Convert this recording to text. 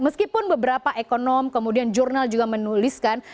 meskipun beberapa ekonom kemudian jurnal juga menuliskan